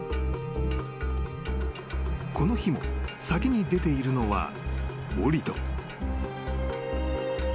［この日も先に出ているのはオリト］